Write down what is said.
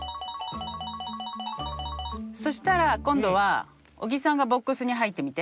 そしたら今度は小木さんがボックスに入ってみて。